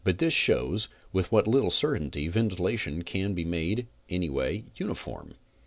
This but shows with what little certainty ventilation can be made anyway uniform.